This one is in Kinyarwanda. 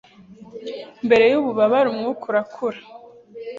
mbere y'ububabare; umwuka urakura